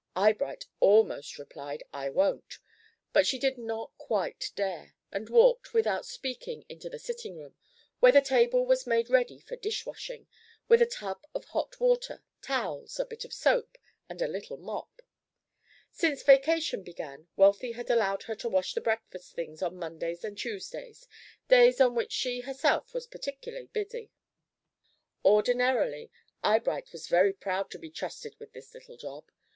Eyebright almost replied "I won't," but she did not quite dare, and walked, without speaking, into the sitting room, where the table was made ready for dish washing, with a tub of hot water, towels, a bit of soap, and a little mop. Since vacation began, Wealthy had allowed her to wash the breakfast things on Mondays and Tuesdays, days on which she herself was particularly busy. Ordinarily, Eyebright was very proud to be trusted with this little job.